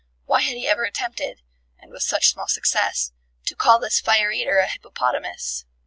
Why had he ever attempted (and with such small success) to call this fire eater a hippopotamus?